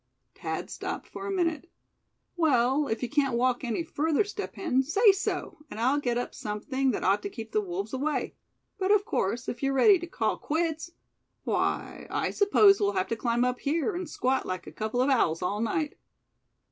Thad stopped for a minute. "Well, if you can't walk on any further, Step Hen, say so, and I'll get up something that ought to keep the wolves away; but of course, if you're ready to call quits, why I suppose we'll have to climb up here, and squat like a couple of owls all night."